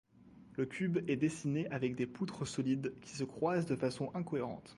Le cube est dessiné avec des poutres solides, qui se croisent de façon incohérente.